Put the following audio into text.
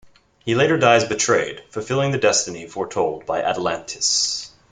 He later dies betrayed fulfilling the destiny foretold by Atlantes.